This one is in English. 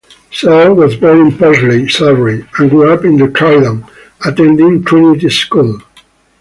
Sell was born in Purley, Surrey, and grew up in Croydon, attending Trinity School.